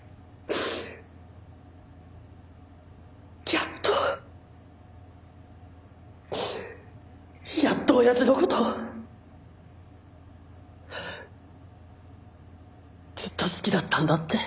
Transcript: やっとやっと親父の事ずっと好きだったんだって。